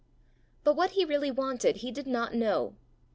But what he really wanted he did not know.